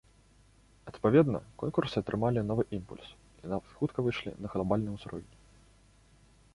Адпаведна, конкурсы атрымалі новы імпульс, і нават хутка выйшлі на глабальны ўзровень.